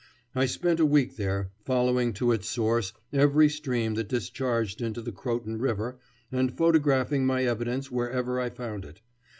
I spent a week there, following to its source every stream that discharged into the Croton River and photographing my evidence wherever I found it.